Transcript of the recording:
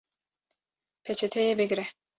Peçeteyê bigre